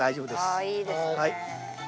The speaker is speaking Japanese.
ああいいですね。